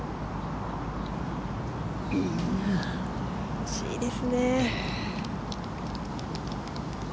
惜しいですね。